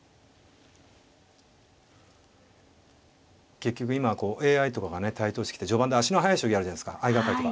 結局今はＡＩとかがね台頭してきて序盤で足の速い将棋あるじゃないですか相掛かりとか。